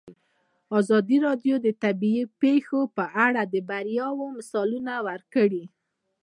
ازادي راډیو د طبیعي پېښې په اړه د بریاوو مثالونه ورکړي.